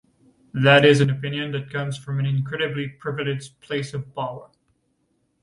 That is an opinion that comes from an incredibly privileged place of power.